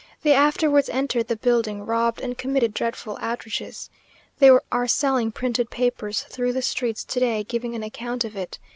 They afterwards entered the building, robbed, and committed dreadful outrages. They are selling printed papers through the streets to day, giving an account of it.